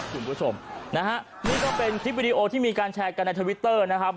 คุณผู้ชมนะฮะนี่ก็เป็นคลิปวิดีโอที่มีการแชร์กันในทวิตเตอร์นะครับ